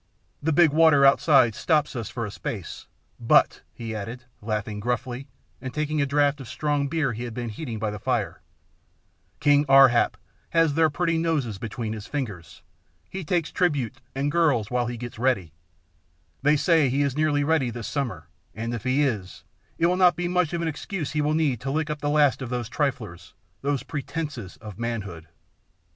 The big water outside stops us for a space, but," he added, laughing gruffly and taking a draught of a strong beer he had been heating by the fire, "King Ar hap has their pretty noses between his fingers; he takes tribute and girls while he gets ready they say he is nearly ready this summer, and if he is, it will not be much of an excuse he will need to lick up the last of those triflers, those pretences of manhood."